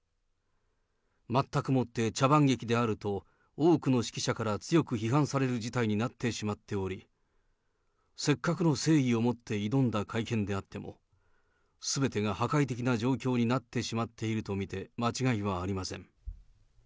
全くもって茶番劇であると、多くの識者から強く批判される事態になってしまっており、せっかくの誠意をもって挑んだ会見であっても、すべてが破壊的な状況になってしまっていると見て間違いはありま